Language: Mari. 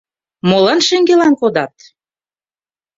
— Молан шеҥгелан кодат!